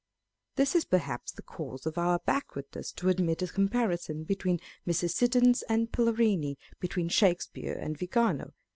This is perhaps the cause of our backwardness to admit a comparison between Mrs. Siddons and Palarini, between Shakespeare and Vigano.